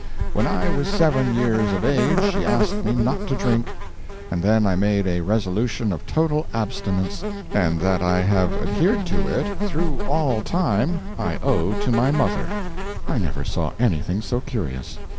When I was seven years of age she asked me not to drink, and then I made a resolution of total abstinence and that I have adhered to it through all time I owe to my mother." I never saw anything so curious.